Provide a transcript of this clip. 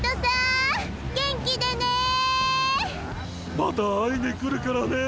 また会いに来るからね！